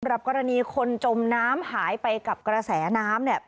กรณีคนจมน้ำหายไปกับกระแสน้ำเนี่ย